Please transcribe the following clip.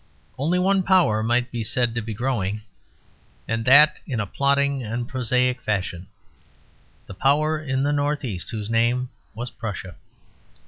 Only one power might be said to be growing, and that in a plodding and prosaic fashion the power in the North East whose name was Prussia.